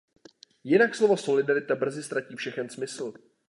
Jinak slovo solidarita brzy ztratí všechen smysl.